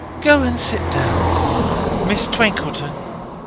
—Go and sit down.—Miss Twinkleton."